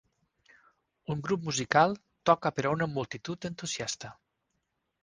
Un grup musical toca per a una multitud entusiasta.